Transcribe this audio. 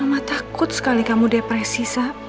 mama takut sekali kamu depresi sab